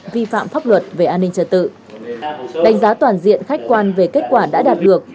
vi phạm pháp luật về an ninh trật tự đánh giá toàn diện khách quan về kết quả đã đạt được